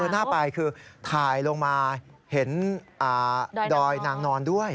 น่าไปคือถ่ายลงมาเห็นดอยนางนอนด้วย